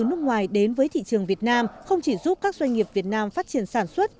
nước ngoài đến với thị trường việt nam không chỉ giúp các doanh nghiệp việt nam phát triển sản xuất